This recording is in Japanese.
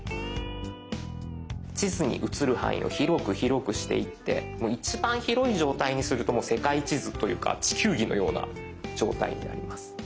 地図に映る範囲を広く広くしていってもう一番広い状態にするともう世界地図というか地球儀のような状態になります。